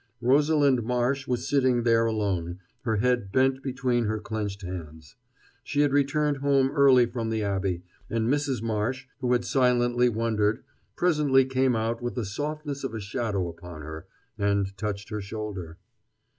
Rosalind Marsh was sitting there alone, her head bent between her clenched hands. She had returned home early from the Abbey, and Mrs. Marsh, who had silently wondered, presently came out with the softness of a shadow upon her, and touched her shoulder.